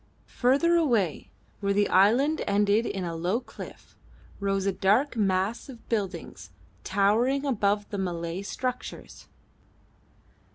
Further away, where the island ended in a low cliff, rose a dark mass of buildings towering above the Malay structures.